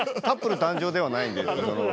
カップル誕生ではないんで。